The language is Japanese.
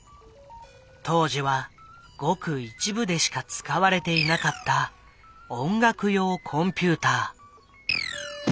当時はごく一部でしか使われていなかった音楽用コンピューター。